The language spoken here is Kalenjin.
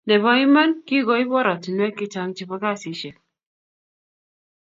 Nebo iman, kikoib oratinwek che chang chebo kasishek